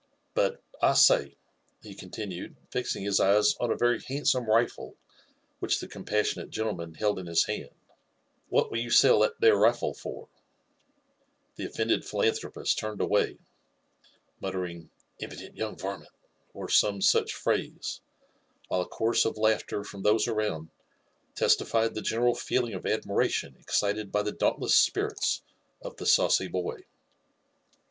" But, I say," he conti nued, fixing his eyes on a very handsome rifle which the compas sionate gentleman held in his hand, '' what will you sell that there rifle forr The offended philanthropist turned away, muttering, Impudent young varment !" or some such phrase, while a chorus of laughter from those around testified the general feeling of admiration excited by the dauntless spirits of the saucy boy.